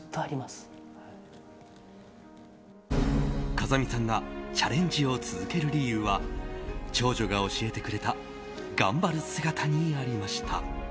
風見さんがチャレンジを続ける理由は長女が教えてくれた頑張る姿にありました。